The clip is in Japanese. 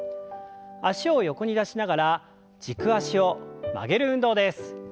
脚を横に出しながら軸足を曲げる運動です。